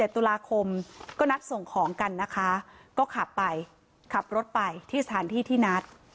ตุลาคมก็นัดส่งของกันนะคะก็ขับไปขับรถไปที่สถานที่ที่นัด